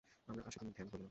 আমার আর সেদিন ধ্যান হল না।